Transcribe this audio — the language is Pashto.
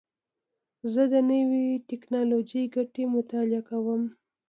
زه د نوې ټکنالوژۍ ګټې مطالعه کوم.